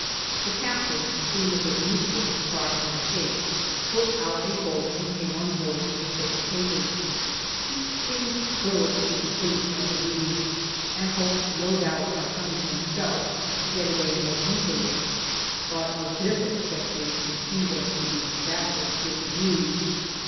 The captain, seeing it was useless to try and escape, put out a boat and came on board with the ship's papers; he seemed thoroughly displeased at the meeting, and hoped no doubt by coming himself to get away more easily, but of this expectation he was to be sadly disabused.